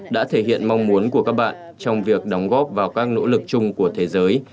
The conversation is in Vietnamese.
đã thể hiện mong muốn của các bạn trong việc đóng góp vào các nỗ lực chung của thế giới